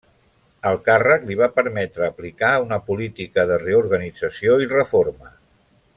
El càrrec li va permetre aplicar una política de reorganització i reforma.